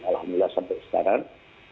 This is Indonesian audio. alhamdulillah sampai sekarang